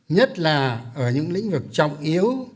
nhất là ở những lĩnh vực trọng yếu